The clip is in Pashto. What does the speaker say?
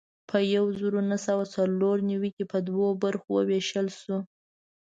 په یو زر نهه سوه څلور نوي کې په دوو برخو وېشل شو.